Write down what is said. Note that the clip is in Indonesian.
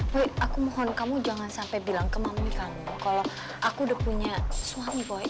boy aku mohon kamu jangan sampai bilang ke mami kamu kalau aku udah punya suami boy